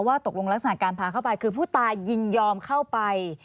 ตกลงลักษณะการพาเข้าไปคือผู้ตายยินยอมเข้าไป